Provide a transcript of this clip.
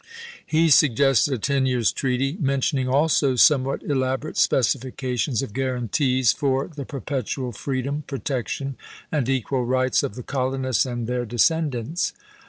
He suggested a ten years' treaty, mentioning also somewhat elaborate specifications of guarantees for the perpetual freedom, protection, and equal rights of the colonists and their descend ants.